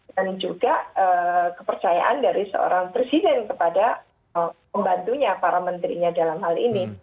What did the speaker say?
dan juga kepercayaan dari seorang presiden kepada pembantunya para menterinya dalam hal ini